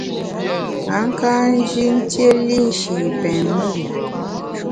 A ka nji ntiéli nshi pèn mùr i.